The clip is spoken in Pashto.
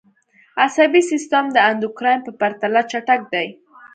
عصبي سیستم د اندوکراین په پرتله چټک دی